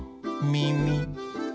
みみ。